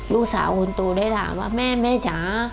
ลูกสาวคนโตได้ถามว่าแม่แม่จ๋า